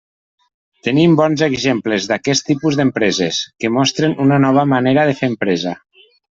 Tenim bons exemples d'aquest tipus d'empreses, que mostren una nova manera de fer empresa.